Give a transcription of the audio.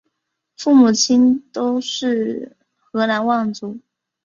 父母亲都是河南望族。